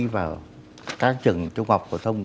và các trường trung học phổ thông